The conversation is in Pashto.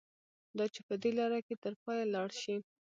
دا چې په دې لاره کې تر پایه لاړ شي.